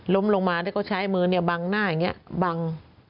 ลงมาแล้วก็ใช้มือเนี่ยบังหน้าอย่างนี้บัง